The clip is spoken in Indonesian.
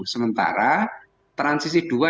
sementara transisi dua